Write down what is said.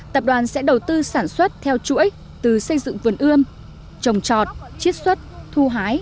tập đoàn sẽ đầu tư sản xuất theo chuỗi từ xây dựng vườn ươm trồng trọt chiết xuất thu hái